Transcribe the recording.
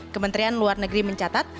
kementerian luar negeri mencatat